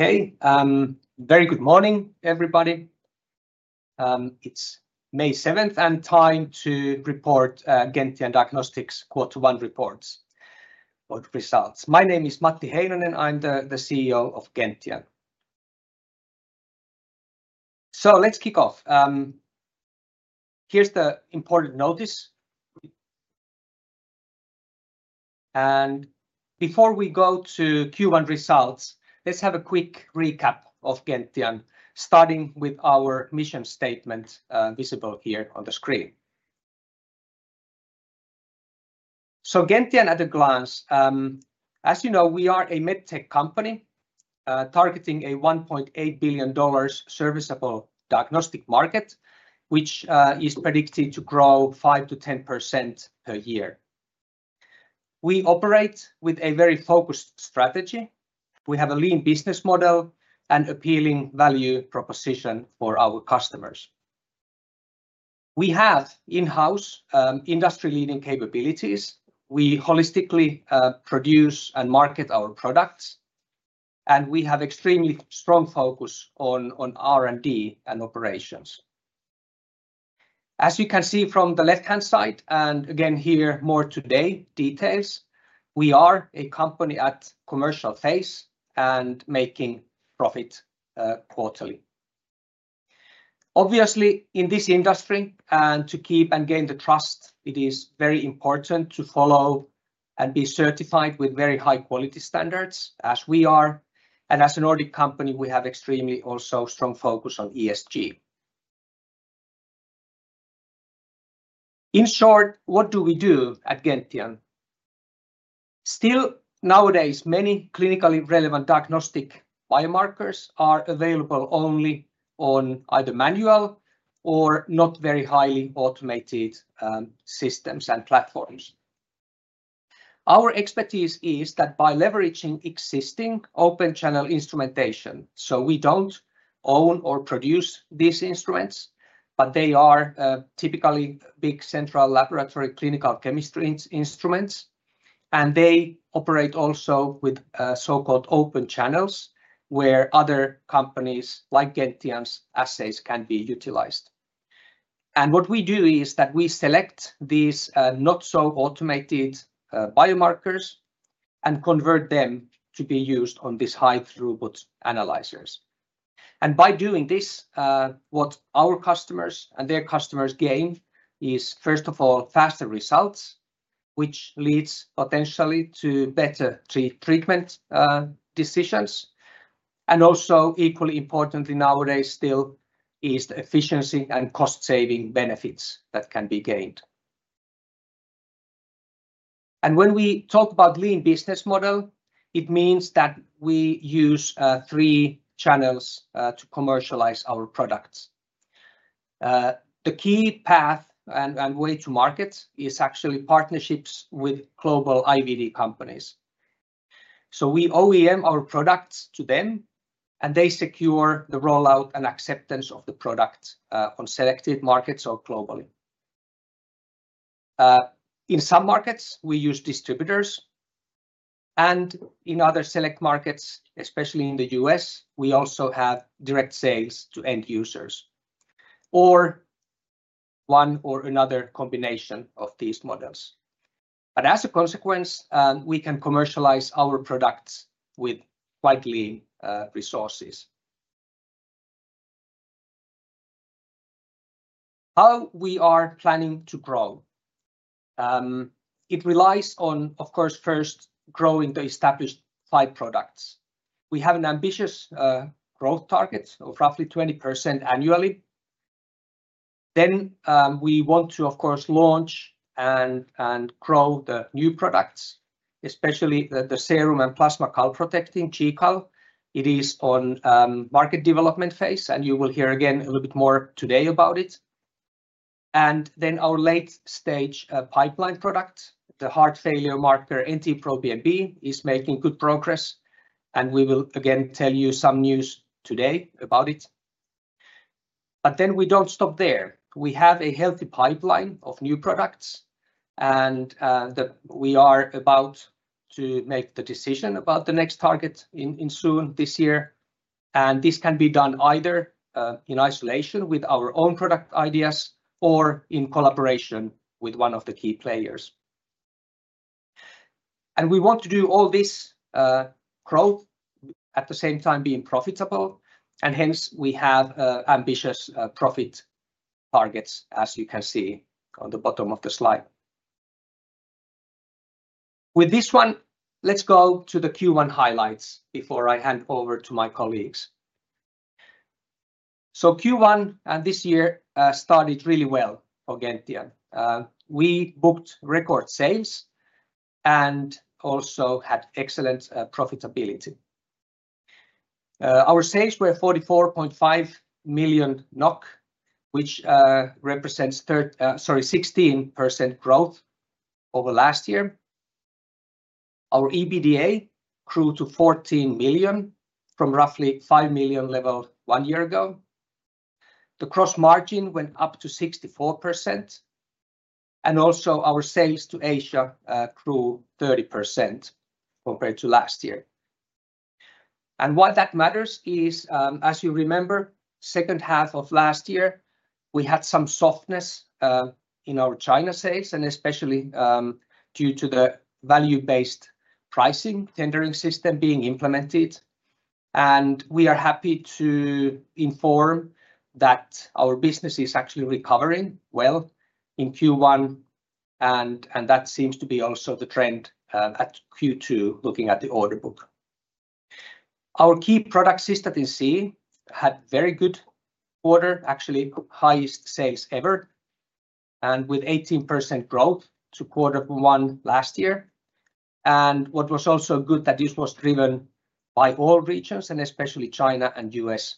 Okay, very good morning, everybody. It's May 7th, and time to report Gentian Diagnostics quarter one reports or results. My name is Matti Heinonen, I'm the CEO of Gentian. Let's kick off. Here's the important notice. Before we go to Q1 results, let's have a quick recap of Gentian, starting with our mission statement visible here on the screen. Gentian, at a glance, as you know, we are a medtech company targeting a $1.8 billion serviceable diagnostic market, which is predicted to grow 5%-10% per year. We operate with a very focused strategy. We have a lean business model and appealing value proposition for our customers. We have in-house industry-leading capabilities. We holistically produce and market our products, and we have an extremely strong focus on R&D and operations. As you can see from the left-hand side, and again here more today details, we are a company at commercial phase and making profit quarterly. Obviously, in this industry, to keep and gain the trust, it is very important to follow and be certified with very high-quality standards, as we are. As a Nordic company, we have an extremely also strong focus on ESG. In short, what do we do at Gentian? Still, nowadays, many clinically relevant diagnostic biomarkers are available only on either manual or not very highly automated systems and platforms. Our expertise is that by leveraging existing open-channel instrumentation, so we do not own or produce these instruments, but they are typically big central laboratory clinical chemistry instruments, and they operate also with so-called open channels where other companies like Gentian's assays can be utilized. What we do is that we select these not-so-automated biomarkers and convert them to be used on these high-throughput analyzers. By doing this, what our customers and their customers gain is, first of all, faster results, which leads potentially to better treatment decisions. Also, equally importantly nowadays still, is the efficiency and cost-saving benefits that can be gained. When we talk about lean business model, it means that we use three channels to commercialize our products. The key path and way to market is actually partnerships with global IVD companies. We OEM our products to them, and they secure the rollout and acceptance of the product on selected markets or globally. In some markets, we use distributors, and in other select markets, especially in the U.S., we also have direct sales to end users or one or another combination of these models. As a consequence, we can commercialize our products with quite lean resources. How we are planning to grow? It relies on, of course, first growing the established five products. We have an ambitious growth target of roughly 20% annually. We want to, of course, launch and grow the new products, especially the serum and plasma calprotectin GCAL. It is on market development phase, and you will hear again a little bit more today about it. Our late-stage pipeline product, the heart failure marker NT-proBNP, is making good progress, and we will again tell you some news today about it. We do not stop there. We have a healthy pipeline of new products, and we are about to make the decision about the next target soon this year. This can be done either in isolation with our own product ideas or in collaboration with one of the key players. We want to do all this growth at the same time being profitable, and hence we have ambitious profit targets, as you can see on the bottom of the slide. With this, let's go to the Q1 highlights before I hand over to my colleagues. Q1 this year started really well for Gentian. We booked record sales and also had excellent profitability. Our sales were 44.5 million NOK, which represents 16% growth over last year. Our EBITDA grew to 14 million from roughly 5 million level one year ago. The gross margin went up to 64%, and also our sales to Asia grew 30% compared to last year. Why that matters is, as you remember, second half of last year, we had some softness in our China sales, especially due to the value-based pricing tendering system being implemented. We are happy to inform that our business is actually recovering well in Q1, and that seems to be also the trend at Q2, looking at the order book. Our key product, Cystatin C, had a very good quarter, actually highest sales ever, and with 18% growth to quarter one last year. What was also good, that this was driven by all regions, and especially China and U.S.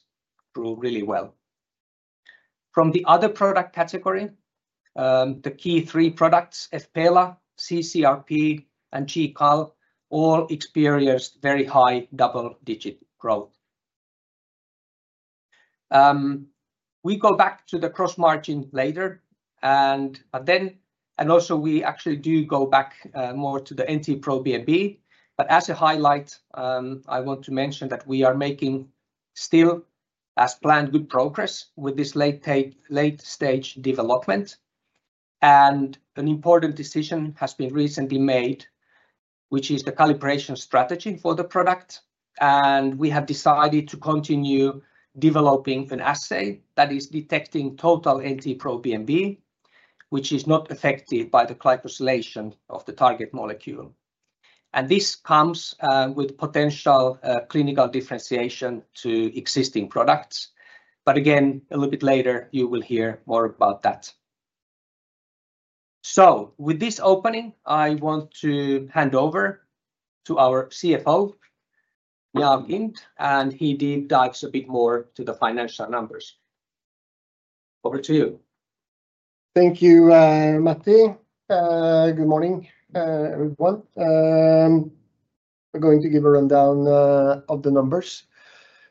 grew really well. From the other product category, the key three products, fPELA, cCRP, and GCAL, all experienced very high double-digit growth. We go back to the gross margin later, and then also we actually do go back more to the NT-proBNP. As a highlight, I want to mention that we are making still, as planned, good progress with this late-stage development. An important decision has been recently made, which is the calibration strategy for the product. We have decided to continue developing an assay that is detecting total NT-proBNP, which is not affected by the glycosylation of the target molecule. This comes with potential clinical differentiation to existing products. Again, a little bit later, you will hear more about that. With this opening, I want to hand over to our CFO, Njaal Kind and he deep dives a bit more to the financial numbers. Over to you. Thank you, Matti. Good morning, everyone. We're going to give a rundown of the numbers.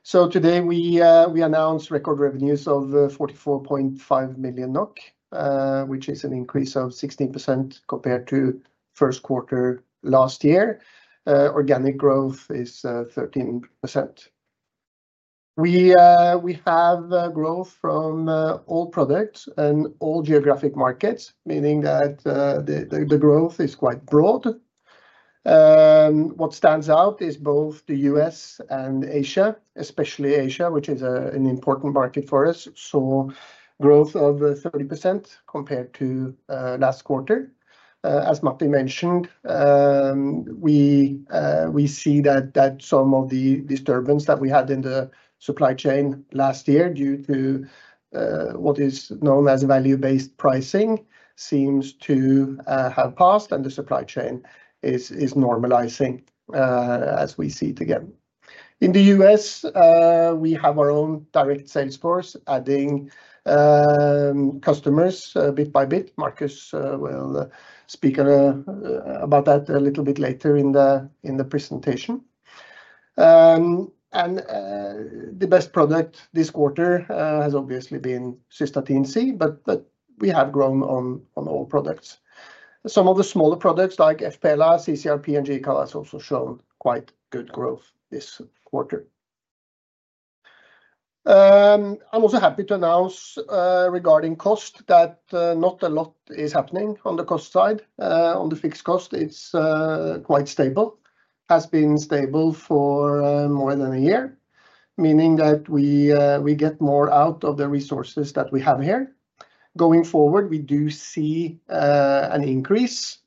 Today we announced record revenues of 44.5 million NOK, which is an increase of 16% compared to first quarter last year. Organic growth is 13%. We have growth from all products and all geographic markets, meaning that the growth is quite broad. What stands out is both the U.S. and Asia, especially Asia, which is an important market for us. Growth of 30% compared to last quarter. As Matti mentioned, we see that some of the disturbance that we had in the supply chain last year due to what is known as value-based pricing seems to have passed, and the supply chain is normalizing as we see it again. In the U.S., we have our own direct sales force adding customers bit by bit. Markus will speak about that a little bit later in the presentation. The best product this quarter has obviously been Cystatin C, but we have grown on all products. Some of the smaller products like fPELA, cCRP, and GCAL have also shown quite good growth this quarter. I'm also happy to announce regarding cost that not a lot is happening on the cost side. On the fixed cost, it's quite stable, has been stable for more than a year, meaning that we get more out of the resources that we have here. Going forward, we do see an increase.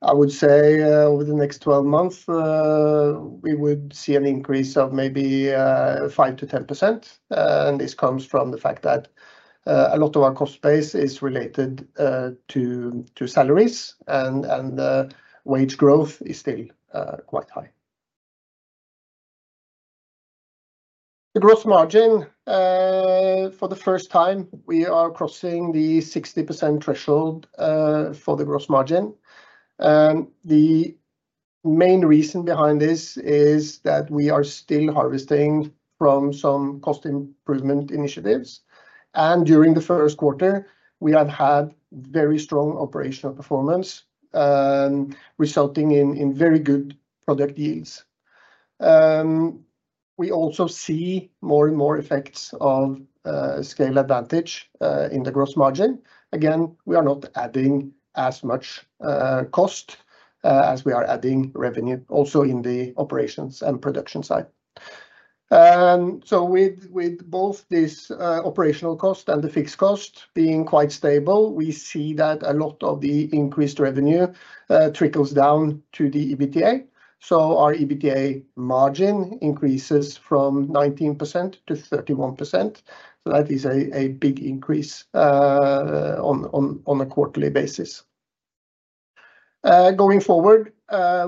I would say over the next 12 months, we would see an increase of maybe 5%-10%. This comes from the fact that a lot of our cost base is related to salaries, and wage growth is still quite high. The gross margin, for the first time, we are crossing the 60% threshold for the gross margin. The main reason behind this is that we are still harvesting from some cost improvement initiatives. During the first quarter, we have had very strong operational performance, resulting in very good product yields. We also see more and more effects of scale advantage in the gross margin. Again, we are not adding as much cost as we are adding revenue also in the operations and production side. With both this operational cost and the fixed cost being quite stable, we see that a lot of the increased revenue trickles down to the EBITDA. Our EBITDA margin increases from 19% to 31%. That is a big increase on a quarterly basis. Going forward,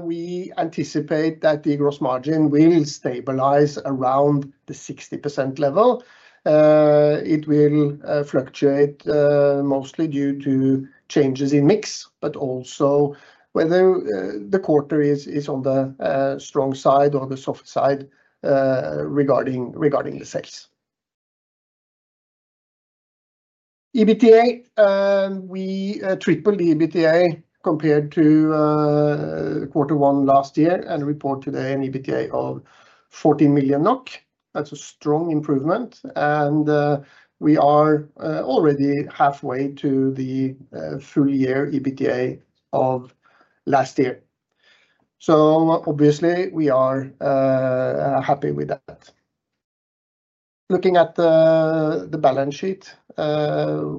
we anticipate that the gross margin will stabilize around the 60% level. It will fluctuate mostly due to changes in mix, but also whether the quarter is on the strong side or the soft side regarding the sales. EBITDA, we tripled the EBITDA compared to quarter one last year and report today an EBITDA of 14 million NOK. That's a strong improvement, and we are already halfway to the full year EBITDA of last year. Obviously, we are happy with that. Looking at the balance sheet,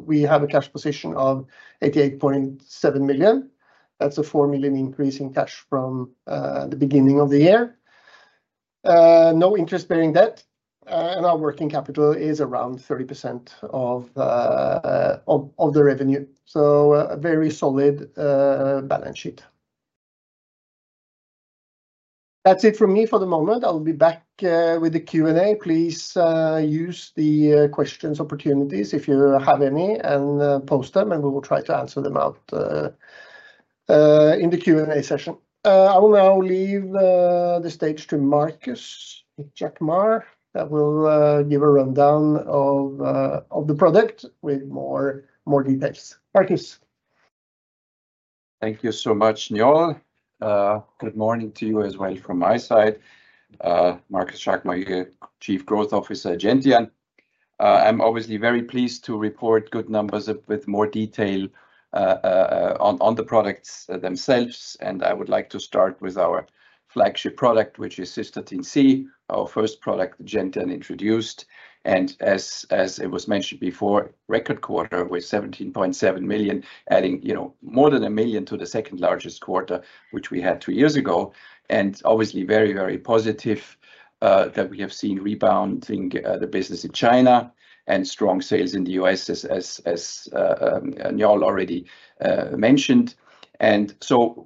we have a cash position of 88.7 million. That's a 4 million increase in cash from the beginning of the year. No interest-bearing debt, and our working capital is around 30% of the revenue. A very solid balance sheet. That's it from me for the moment. I'll be back with the Q&A. Please use the questions opportunities if you have any and post them, and we will try to answer them out in the Q&A session. I will now leave the stage to Markus Jaquemar that will give a rundown of the product with more details. Markus. Thank you so much, Njaal. Good morning to you as well from my side. Markus Jaquemar, Chief Growth Officer at Gentian. I'm obviously very pleased to report good numbers with more detail on the products themselves. I would like to start with our flagship product, which is Cystatin C, our first product Gentian introduced. As it was mentioned before, record quarter with 17.7 million, adding more than 1 million to the second largest quarter, which we had two years ago. Obviously, very, very positive that we have seen rebounding the business in China and strong sales in the U.S., as Njaal already mentioned.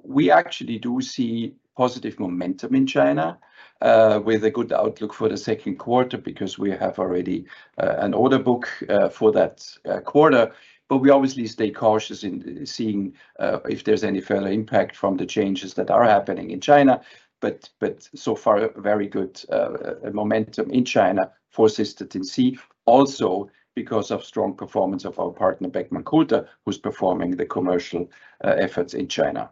We actually do see positive momentum in China with a good outlook for the second quarter because we have already an order book for that quarter. We obviously stay cautious in seeing if there's any further impact from the changes that are happening in China. So far, very good momentum in China for Cystatin C, also because of strong performance of our partner Beckman Coulter, who's performing the commercial efforts in China.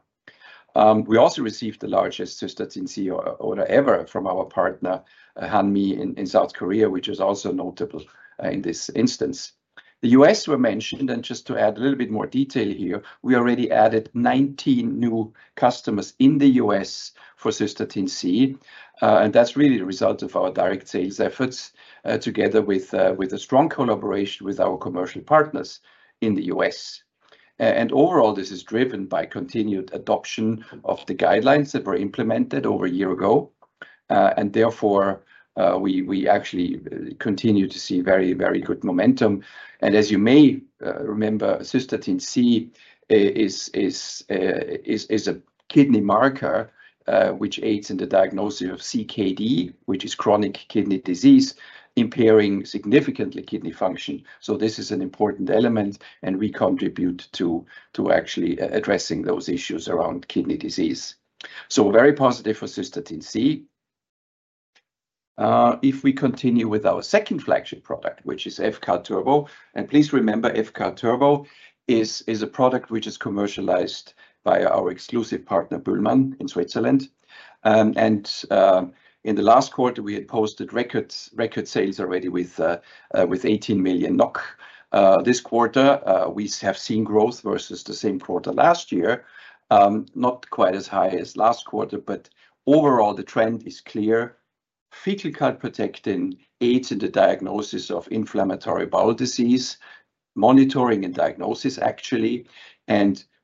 We also received the largest Cystatin C order ever from our partner Hanmi in South Korea, which is also notable in this instance. The U.S. were mentioned, and just to add a little bit more detail here, we already added 19 new customers in the U.S. for Cystatin C. That's really the result of our direct sales efforts together with a strong collaboration with our commercial partners in the U.S. Overall, this is driven by continued adoption of the guidelines that were implemented over a year ago. Therefore, we actually continue to see very, very good momentum. As you may remember, Cystatin C is a kidney marker, which aids in the diagnosis of CKD, which is chronic kidney disease, impairing significantly kidney function. This is an important element, and we contribute to actually addressing those issues around kidney disease. Very positive for Cystatin C. If we continue with our second flagship product, which is fCAL turbo, and please remember, fCAL turbo is a product which is commercialized by our exclusive partner BÜHLMANN in Switzerland. In the last quarter, we had posted record sales already with 18 million NOK. This quarter, we have seen growth versus the same quarter last year, not quite as high as last quarter, but overall, the trend is clear. Fecal calprotectin aids in the diagnosis of inflammatory bowel disease, monitoring and diagnosis, actually.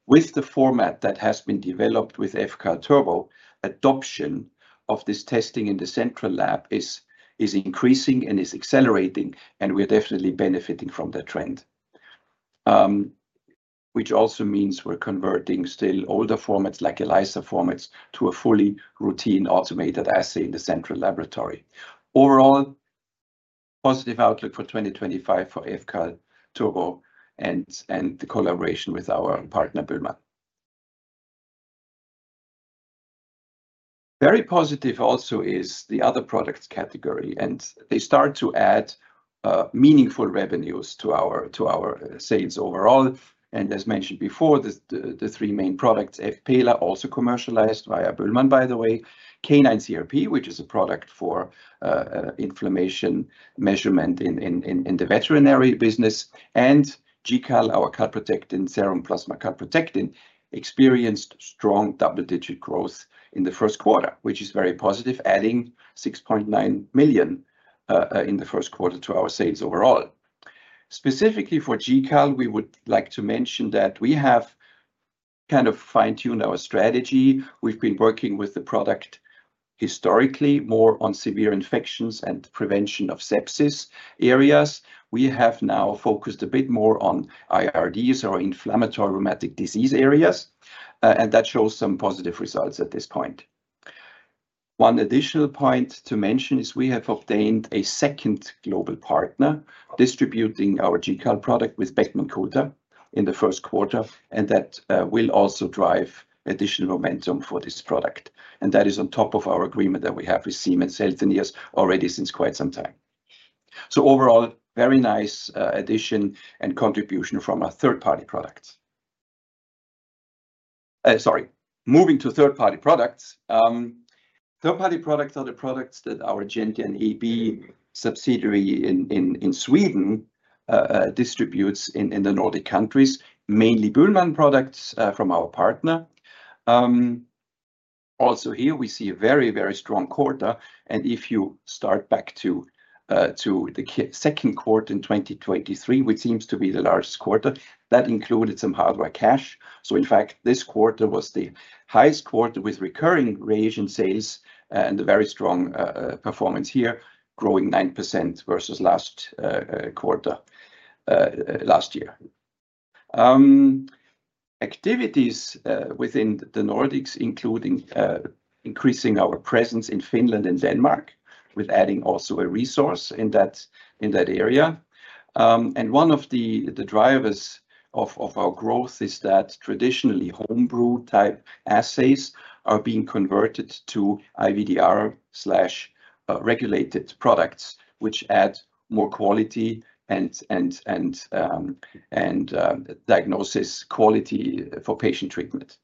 With the format that has been developed with fCAL turbo, adoption of this testing in the central lab is increasing and is accelerating, and we are definitely benefiting from the trend, which also means we're converting still older formats like ELISA formats to a fully routine automated assay in the central laboratory. Overall, positive outlook for 2025 for fCAL turbo and the collaboration with our partner BÜHLMANN. Very positive also is the other products category, and they start to add meaningful revenues to our sales overall. As mentioned before, the three main products, fPELA, also commercialized via BÜHLMANN, by the way, Canine CRP, which is a product for inflammation measurement in the veterinary business, and GCAL, our calprotectin serum plasma calprotectin, experienced strong double-digit growth in the first quarter, which is very positive, adding 6.9 million in the first quarter to our sales overall. Specifically for GCAL, we would like to mention that we have kind of fine-tuned our strategy. We've been working with the product historically more on severe infections and prevention of sepsis areas. We have now focused a bit more on IRDs, or inflammatory rheumatic disease areas, and that shows some positive results at this point. One additional point to mention is we have obtained a second global partner distributing our GCAL product with Beckman Coulter in the first quarter, and that will also drive additional momentum for this product. That is on top of our agreement that we have with Siemens Healthineers already since quite some time. Overall, very nice addition and contribution from our third-party products. Sorry, moving to third-party products. Third-party products are the products that our Gentian AB subsidiary in Sweden distributes in the Nordic countries, mainly BÜHLMANN products from our partner. Also here, we see a very, very strong quarter. If you start back to the second quarter in 2023, which seems to be the largest quarter, that included some hardware cash. In fact, this quarter was the highest quarter with recurring range in sales and a very strong performance here, growing 9% versus last quarter last year. Activities within the Nordics include increasing our presence in Finland and Denmark, with adding also a resource in that area. One of the drivers of our growth is that traditionally home-brew type assays are being converted to IVDR/regulated products, which add more quality and diagnosis quality for patient treatment.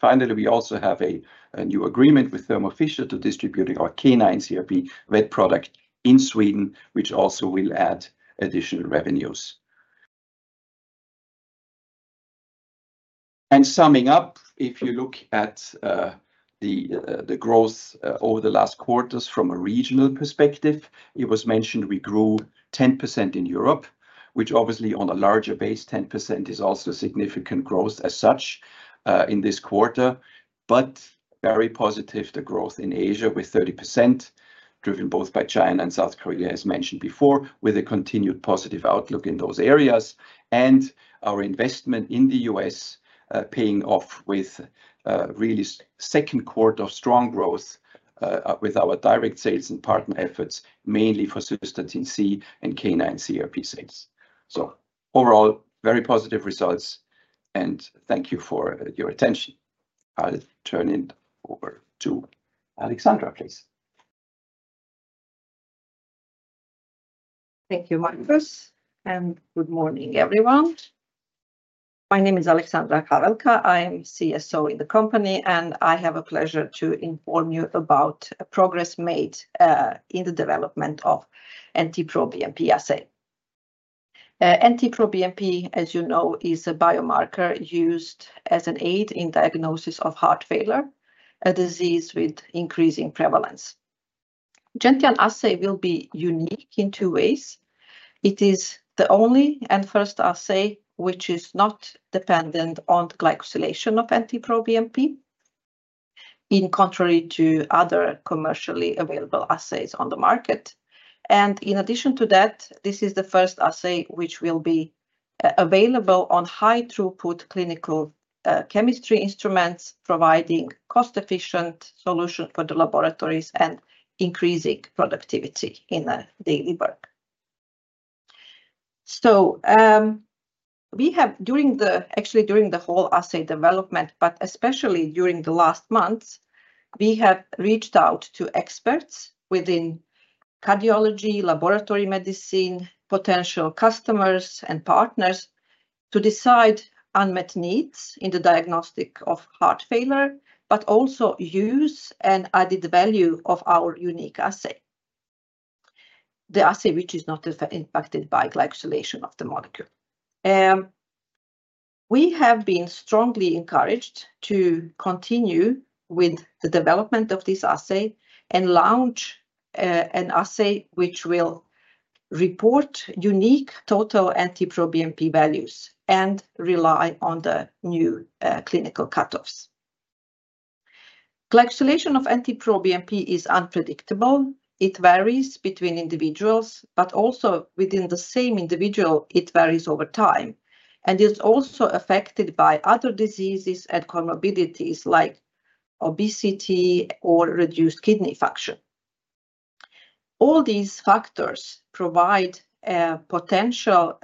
Finally, we also have a new agreement with Thermo Fisher to distribute our Canine CRP vet product in Sweden, which also will add additional revenues. Summing up, if you look at the growth over the last quarters from a regional perspective, it was mentioned we grew 10% in Europe, which obviously on a larger base, 10% is also significant growth as such in this quarter. Very positive, the growth in Asia with 30%, driven both by China and South Korea, as mentioned before, with a continued positive outlook in those areas. Our investment in the U.S. paying off with really second quarter strong growth with our direct sales and partner efforts, mainly for Cystatin C and Canine CRP sales. Overall, very positive results, and thank you for your attention. I'll turn it over to Aleksandra, please. Thank you, Markus, and good morning, everyone. My name is Aleksandra Havelka. I am CSO in the company, and I have a pleasure to inform you about progress made in the development of NT-proBNP assay. NT-proBNP, as you know, is a biomarker used as an aid in diagnosis of heart failure, a disease with increasing prevalence. Gentian assay will be unique in two ways. It is the only and first assay which is not dependent on glycosylation of NT-proBNP, in contrary to other commercially available assays on the market. In addition to that, this is the first assay which will be available on high-throughput clinical chemistry instruments, providing cost-efficient solutions for the laboratories and increasing productivity in daily work. We have, actually, during the whole assay development, but especially during the last months, reached out to experts within cardiology, laboratory medicine, potential customers, and partners to decide unmet needs in the diagnostic of heart failure, but also use and added value of our unique assay, the assay which is not impacted by glycosylation of the molecule. We have been strongly encouraged to continue with the development of this assay and launch an assay which will report unique total NT-proBNP values and rely on the new clinical cutoffs. Glycosylation of NT-proBNP is unpredictable. It varies between individuals, but also within the same individual, it varies over time. It is also affected by other diseases and comorbidities like obesity or reduced kidney function. All these factors provide potential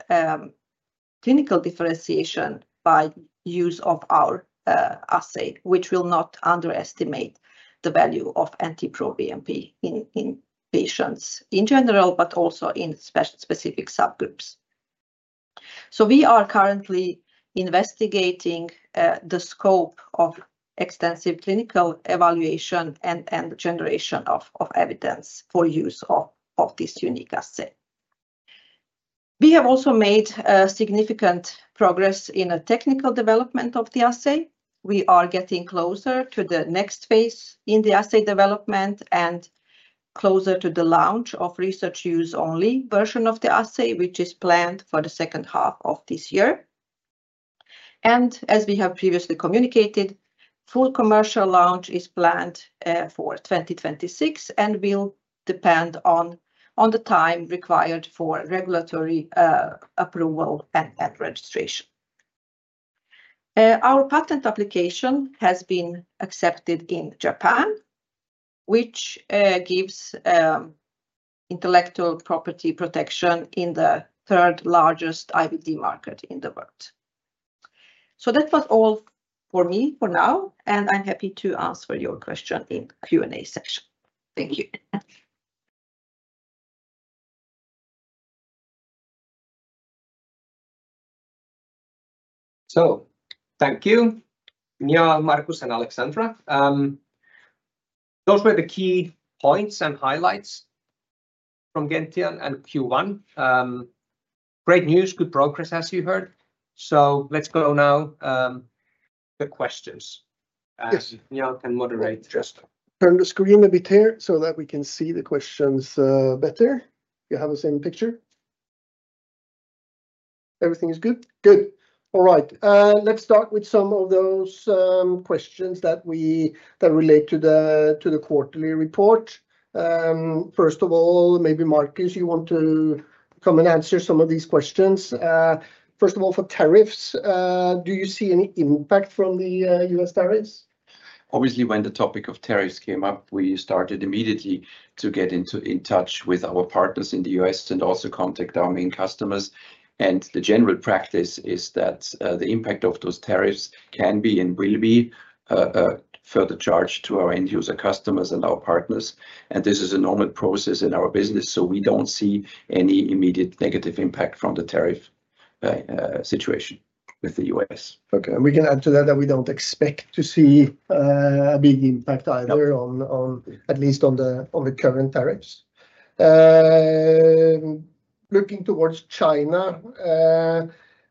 clinical differentiation by use of our assay, which will not underestimate the value of NT-proBNP in patients in general, but also in specific subgroups. We are currently investigating the scope of extensive clinical evaluation and generation of evidence for use of this unique assay. We have also made significant progress in the technical development of the assay. We are getting closer to the next phase in the assay development and closer to the launch of research use-only version of the assay, which is planned for the second half of this year. As we have previously communicated, full commercial launch is planned for 2026 and will depend on the time required for regulatory approval and registration. Our patent application has been accepted in Japan, which gives intellectual property protection in the third largest IVD market in the world. That was all for me for now, and I'm happy to answer your question in the Q&A session. Thank you. Thank you, Njaal, Markus, and Aleksandra. Those were the key points and highlights from Gentian and Q1. Great news, good progress, as you heard. Let's go now to the questions. Njaal can moderate just. Turn the screen a bit here so that we can see the questions better. You have the same picture? Everything is good? Good. All right. Let's start with some of those questions that relate to the quarterly report. First of all, maybe Markus, you want to come and answer some of these questions. First of all, for tariffs, do you see any impact from the U.S. tariffs? Obviously, when the topic of tariffs came up, we started immediately to get in touch with our partners in the U.S. and also contact our main customers. The general practice is that the impact of those tariffs can be and will be further charged to our end-user customers and our partners. This is a normal process in our business, so we do not see any immediate negative impact from the tariff situation with the U.S. Okay. We can add to that that we do not expect to see a big impact either, at least on the current tariffs. Looking towards China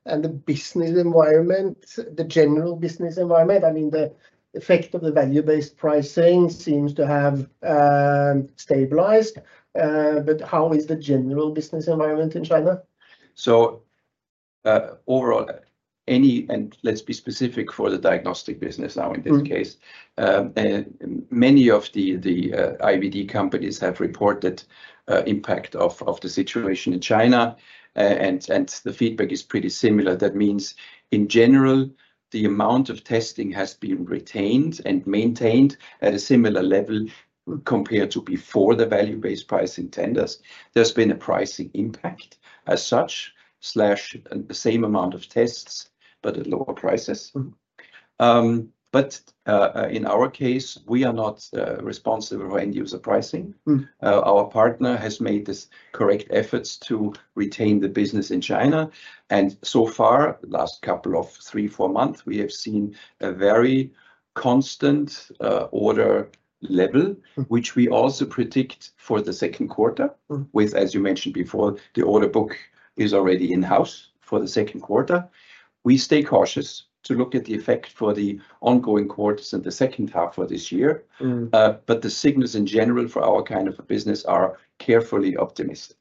and the business environment, the general business environment, I mean, the effect of the value-based pricing seems to have stabilized. How is the general business environment in China? Overall, and let's be specific for the diagnostic business now in this case, many of the IVD companies have reported impact of the situation in China, and the feedback is pretty similar. That means, in general, the amount of testing has been retained and maintained at a similar level compared to before the value-based pricing tenders. There's been a pricing impact as such, slash the same amount of tests, but at lower prices. In our case, we are not responsible for end-user pricing. Our partner has made the correct efforts to retain the business in China. So far, the last couple of three, four months, we have seen a very constant order level, which we also predict for the second quarter. With, as you mentioned before, the order book is already in-house for the second quarter. We stay cautious to look at the effect for the ongoing quarters and the second half of this year. The signals in general for our kind of business are carefully optimistic.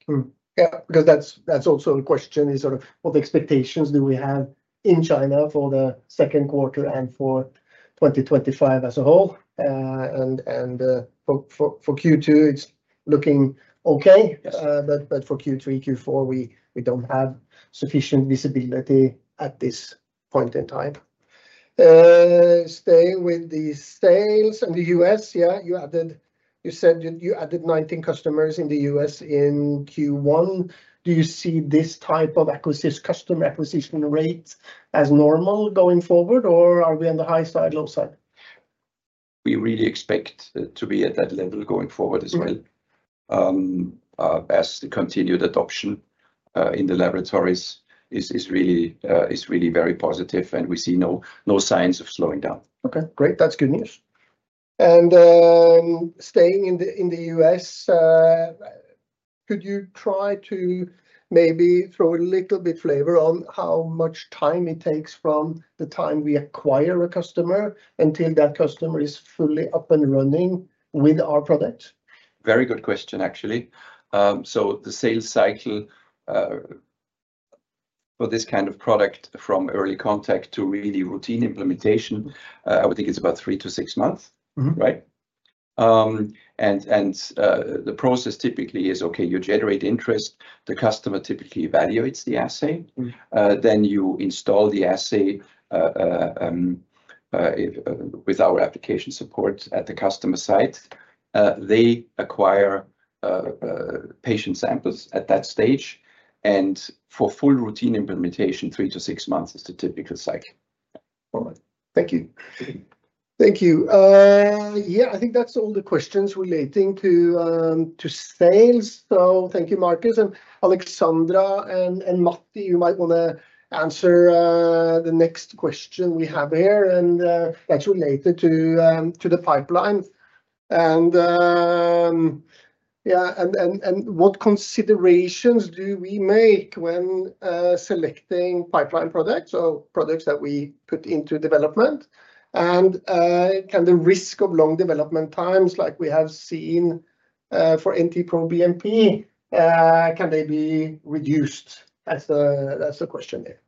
Yeah, because that's also a question is sort of what expectations do we have in China for the second quarter and for 2025 as a whole. For Q2, it's looking okay. For Q3, Q4, we don't have sufficient visibility at this point in time. Staying with the sales in the U.S., yeah, you said you added 19 customers in the U.S. in Q1. Do you see this type of customer acquisition rate as normal going forward, or are we on the high side, low side? We really expect to be at that level going forward as well. As the continued adoption in the laboratories is really very positive, and we see no signs of slowing down. Okay, great. That's good news. Staying in the U.S., could you try to maybe throw a little bit of flavor on how much time it takes from the time we acquire a customer until that customer is fully up and running with our product? Very good question, actually. The sales cycle for this kind of product from early contact to really routine implementation, I would think it's about three to six months, right? The process typically is, okay, you generate interest, the customer typically evaluates the assay, then you install the assay with our application support at the customer site. They acquire patient samples at that stage. For full routine implementation, three to six months is the typical cycle. All right. Thank you. Thank you. Yeah, I think that's all the questions relating to sales. Thank you, Markus. Aleksandra and Matti, you might want to answer the next question we have here, and that's related to the pipeline. Yeah, and what considerations do we make when selecting pipeline products or products that we put into development? Can the risk of long development times, like we have seen for NT-proBNP, can they be reduced? That's the question here.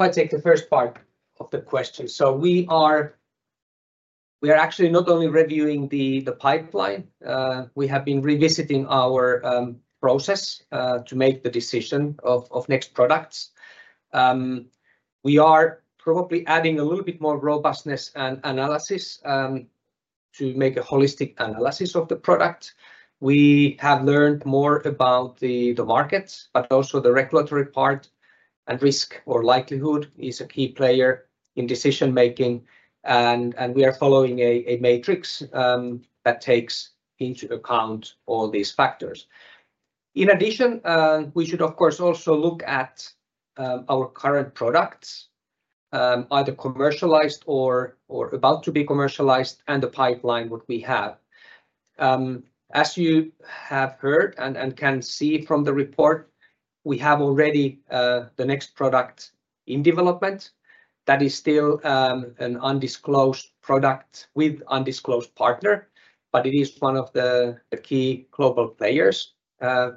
I'll take the first part of the question. We are actually not only reviewing the pipeline. We have been revisiting our process to make the decision of next products. We are probably adding a little bit more robustness and analysis to make a holistic analysis of the product. We have learned more about the markets, but also the regulatory part and risk or likelihood is a key player in decision-making. We are following a matrix that takes into account all these factors. In addition, we should, of course, also look at our current products, either commercialized or about to be commercialized, and the pipeline, what we have. As you have heard and can see from the report, we have already the next product in development. That is still an undisclosed product with undisclosed partner, but it is one of the key global players,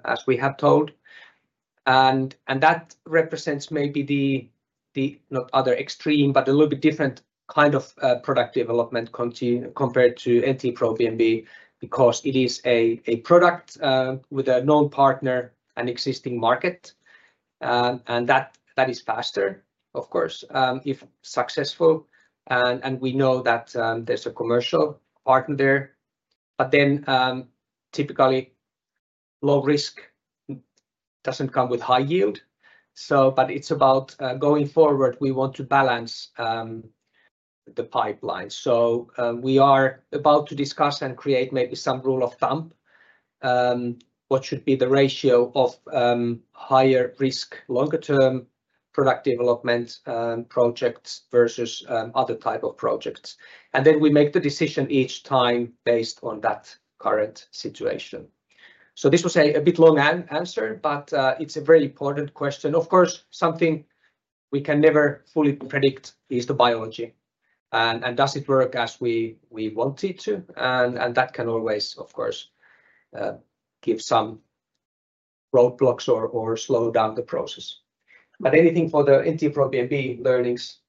as we have told. That represents maybe not the other extreme, but a little bit different kind of product development compared to NT-proBNP because it is a product with a known partner and existing market. That is faster, of course, if successful. We know that there's a commercial partner there. Typically, low risk does not come with high yield. It is about going forward, we want to balance the pipeline. We are about to discuss and create maybe some rule of thumb, what should be the ratio of higher risk, longer-term product development projects versus other types of projects. We make the decision each time based on that current situation. This was a bit long answer, but it is a very important question. Of course, something we can never fully predict is the biology. Does it work as we want it to? That can always, of course, give some roadblocks or slow down the process. Anything for the NT-proBNP learnings?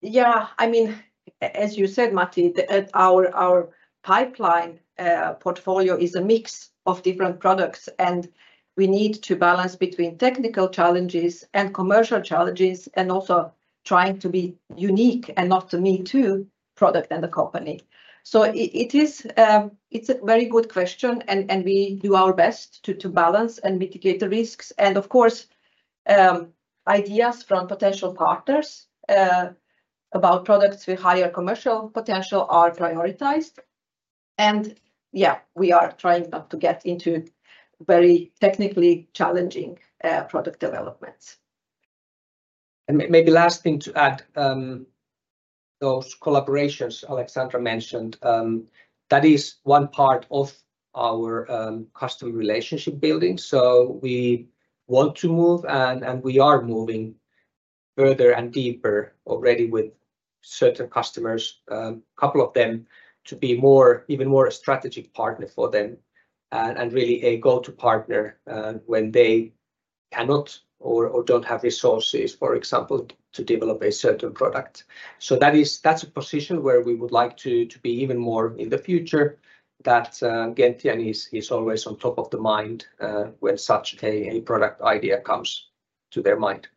Yeah, I mean, as you said, Matti, that our pipeline portfolio is a mix of different products, and we need to balance between technical challenges and commercial challenges and also trying to be unique and not the me-too product and the company. It is a very good question, and we do our best to balance and mitigate the risks. Of course, ideas from potential partners about products with higher commercial potential are prioritized. Yeah, we are trying not to get into very technically challenging product developments. Maybe last thing to add, those collaborations Aleksandra mentioned, that is one part of our customer relationship building. We want to move, and we are moving further and deeper already with certain customers, a couple of them to be even more a strategic partner for them and really a go-to partner when they cannot or do not have resources, for example, to develop a certain product. That is a position where we would like to be even more in the future, that Gentian is always on top of the mind when such a product idea comes to their mind.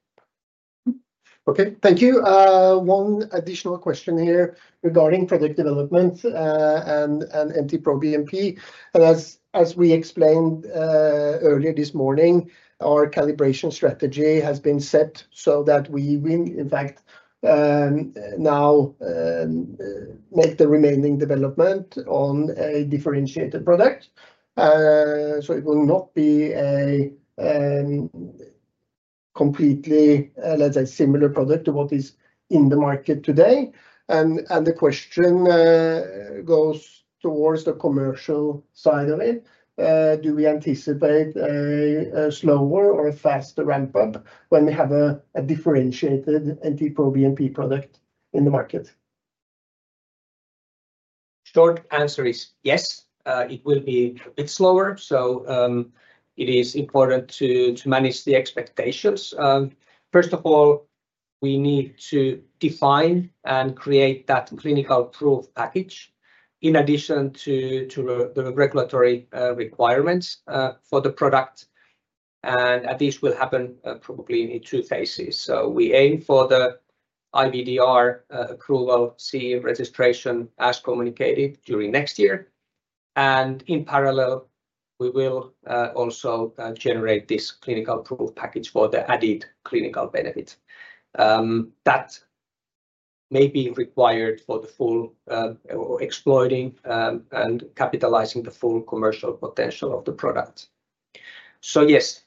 Okay, thank you. One additional question here regarding product development and NT-proBNP. As we explained earlier this morning, our calibration strategy has been set so that we will, in fact, now make the remaining development on a differentiated product. It will not be a completely, let's say, similar product to what is in the market today. The question goes towards the commercial side of it. Do we anticipate a slower or a faster ramp-up when we have a differentiated NT-proBNP product in the market? Short answer is yes. It will be a bit slower. It is important to manage the expectations. First of all, we need to define and create that clinical proof package in addition to the regulatory requirements for the product. This will happen probably in two phases. We aim for the IVDR approval, C registration as communicated during next year. In parallel, we will also generate this clinical proof package for the added clinical benefit that may be required for fully exploiting and capitalizing the full commercial potential of the product. Yes,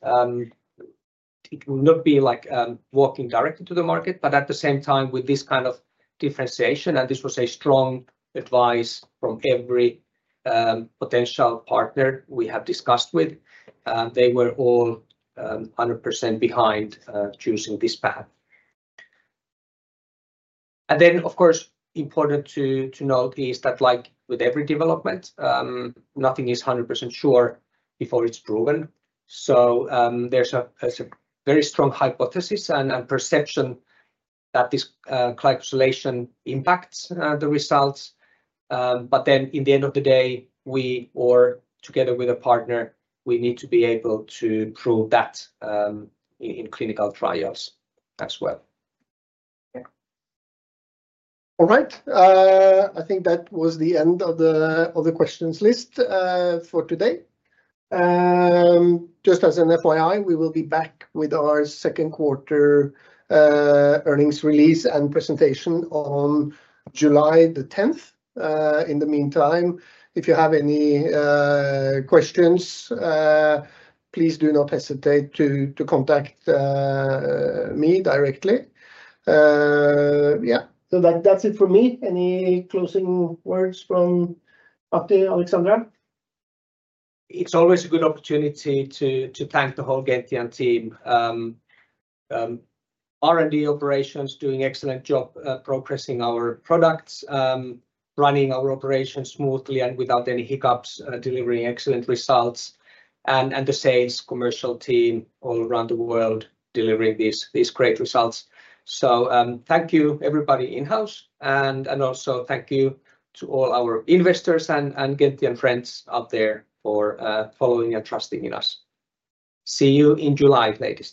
it will not be like walking directly to the market, but at the same time with this kind of differentiation, and this was a strong advice from every potential partner we have discussed with, they were all 100% behind choosing this path. Of course, important to note is that like with every development, nothing is 100% sure before it's proven. There is a very strong hypothesis and perception that this calculation impacts the results. In the end of the day, we or together with a partner, we need to be able to prove that in clinical trials as well. All right. I think that was the end of the questions list for today. Just as an FYI, we will be back with our second quarter earnings release and presentation on July 10. In the meantime, if you have any questions, please do not hesitate to contact me directly. Yeah, so that's it for me. Any closing words from Matti, Aleksandra? It's always a good opportunity to thank the whole Gentian team. R&D operations doing an excellent job progressing our products, running our operations smoothly and without any hiccups, delivering excellent results. The sales, commercial team all around the world delivering these great results. Thank you, everybody in-house. Also thank you to all our investors and Gentian friends out there for following and trusting in us. See you in July later.